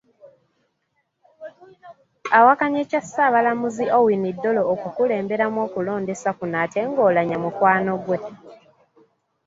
Awakanya ekya Ssaabalamuzi Owiny Dollo okukulemberamu okulondesa kuno ate nga Oulanyah mukwano gwe .